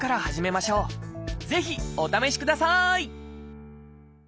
ぜひお試しください！